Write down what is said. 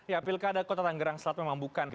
ya pilkada kota tanggerang selatan memang bukan